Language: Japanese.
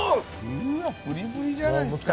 うわっプリプリじゃないですか。